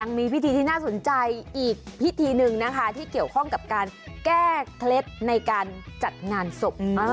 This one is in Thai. มีพิธีที่น่าสนใจอีกพิธีหนึ่งนะคะที่เกี่ยวข้องกับการแก้เคล็ดในการจัดงานศพ